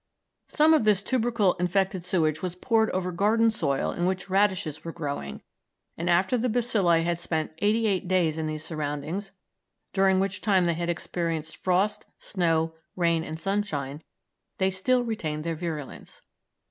Some of this tubercle infected sewage was poured over garden soil in which radishes were growing, and after the bacilli had spent eighty eight days in these surroundings, during which time they had experienced frost, snow, rain, and sunshine, they still retained their virulence.